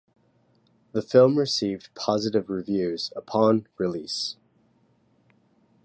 The film received positive views upon release.